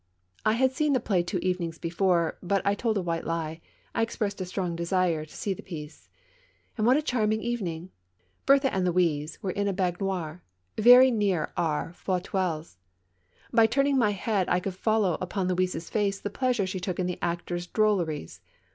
I had seen the play two evenings before; but I told a white lie — I expressed a strong desire to see the piece. And what a charming evening ! Berthe and Louise were in a baignoire very near our fauteuils. By turning my head I could follow upon Louise's face the pleasure she took in the actors' drolleries.